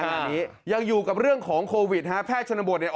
จากการยังอยู่กับเรื่องของโควิดแพทย์ชนบวชหน้ากร